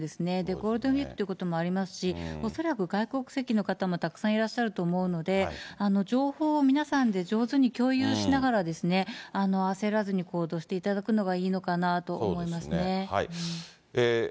ゴールデンウィークということもありますし、恐らく外国籍の方もたくさんいらっしゃると思うので、情報を皆さんで上手に共有しながら、焦らずに行動していただくのがいいのかなと思いますね。